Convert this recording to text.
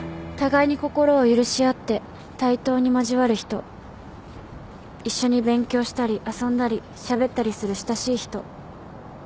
「互いに心を許し合って対等に交わる人」「一緒に勉強したり遊んだりしゃべったりする親しい人」